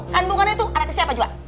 kandungannya tuh anaknya siapa juga